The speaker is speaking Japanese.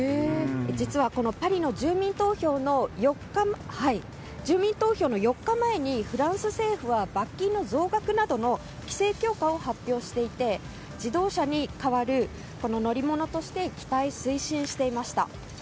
実は、このパリの住民投票の４日前にフランス政府は罰金の増額などの規制強化を発表していて自動車に代わる乗り物として期待・推進していました。